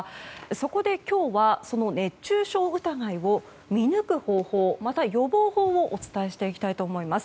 そこで今日は、その熱中症疑いを見抜く方法また予防法をお伝えしていきたいと思います。